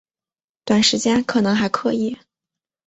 短时间可能还可以